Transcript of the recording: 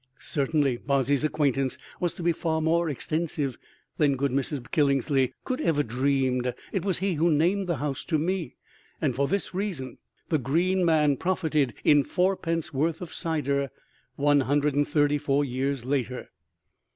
Certainly Bozzy's acquaintance was to be far more extensive than good Mrs. Killingley ever dreamed. It was he who "named the house" to me, and for this reason The Green Man profited in fourpence worth of cider, 134 years later.